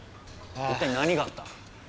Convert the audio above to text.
一体何があった？